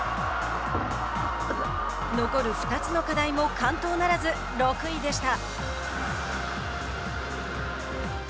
残る２つの課題も完登ならず６位でした。